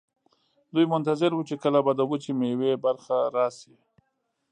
دوی منتظر وو چې کله به د وچې میوې برخه راشي.